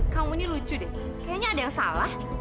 kamu ini lucu deh kayaknya ada yang salah